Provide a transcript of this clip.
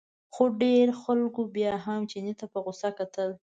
خو ډېرو خلکو بیا هم چیني ته په غوسه کتل.